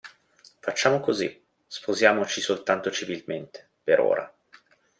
Facciamo così, sposiamoci soltanto civilmente, per ora.